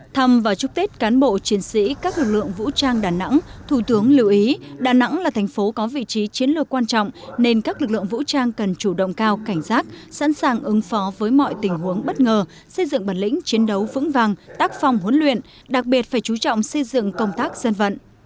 thăm và chúc tết cán bộ chiến sĩ các lực lượng vũ trang đà nẵng thủ tướng lưu ý đà nẵng là thành phố có vị trí chiến lược quan trọng nên các lực lượng vũ trang cần chủ động cao cảnh giác sẵn sàng ứng phó với mọi tình huống bất ngờ xây dựng bản lĩnh chiến đấu vững vàng tác phong huấn luyện đặc biệt phải chú trọng xây dựng công tác dân vận